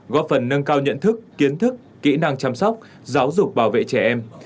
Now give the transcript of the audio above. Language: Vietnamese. góp phần nâng cao nhận thức kiến thức kỹ năng chăm sóc giáo dục bảo vệ trẻ em